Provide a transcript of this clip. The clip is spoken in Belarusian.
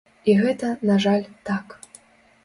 І гэта, на жаль, так.